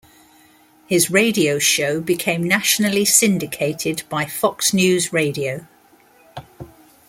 His radio show became nationally syndicated by Fox News Radio.